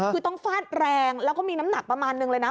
คือต้องฟาดแรงแล้วก็มีน้ำหนักประมาณนึงเลยนะ